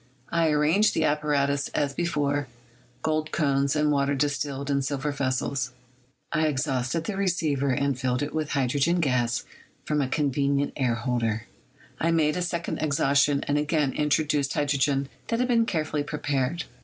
I arranged the apparatus as before [gold cones and water distilled in silver vessels] ; I exhausted the receiver and filled it with hydrogen gas from a conven ient air holder; I made a second exhaustion and again introduced hydrogen that had been carefully prepared.